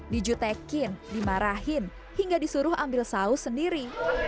dijutekin dimarahin hingga disuruh ambil saus sendiri